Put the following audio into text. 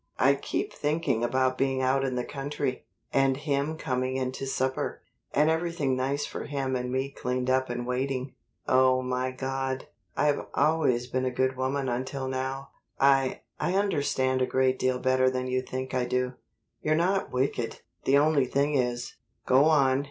"I keep thinking about being out in the country, and him coming into supper, and everything nice for him and me cleaned up and waiting O my God! I've always been a good woman until now." "I I understand a great deal better than you think I do. You're not wicked. The only thing is " "Go on.